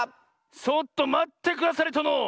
ちょっとまってくだされとの！